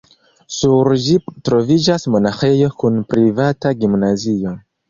Sur ĝi troviĝas monaĥejo kun privata gimnazio.